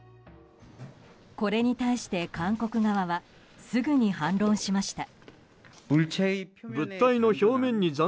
これに対して韓国側はすぐに反論しました。